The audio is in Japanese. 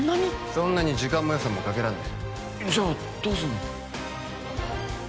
そんなに時間も予算もかけらんねえじゃあどうするの？